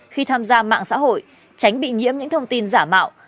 khi tham gia mạng xã hội tránh bị nhiễm những thông tin giả mạo